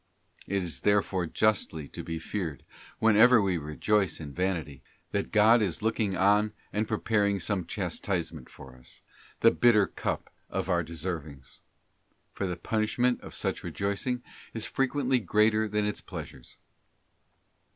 f It is therefore justly to be feared, whenever we rejoice in vanity, that God is looking "on and preparing some chastise ment for us, the bitter cup of our deservings; for the punish ment of such rejoicing is frequently greater than its pleasures.